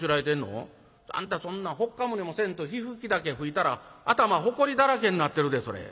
あんたそんなほっかむりもせんと火吹き竹吹いたら頭ほこりだらけになってるでそれ。